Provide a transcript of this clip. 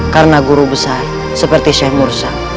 karena guru besar seperti syekh mursa